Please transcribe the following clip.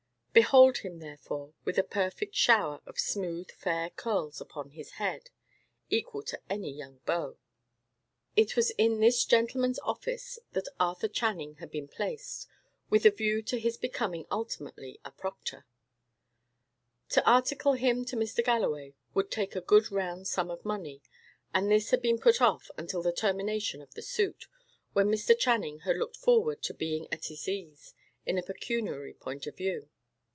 Behold him, therefore, with a perfect shower of smooth, fair curls upon his head, equal to any young beau. It was in this gentleman's office that Arthur Channing had been placed, with a view to his becoming ultimately a proctor. To article him to Mr. Galloway would take a good round sum of money; and this had been put off until the termination of the suit, when Mr. Channing had looked forward to being at his ease, in a pecuniary point of view.